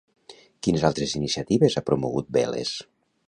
Quines altres iniciatives ha promogut Vélez?